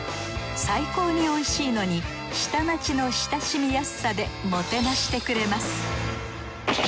最高においしいのに下町の親しみやすさでもてなしてくれます